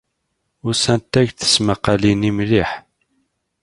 Usant-ak-d tesmaqqalin-nni mliḥ?